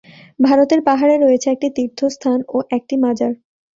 ভারতের পাহাড়ে রয়েছে একটি তীর্থস্থান ও একটি মাজার।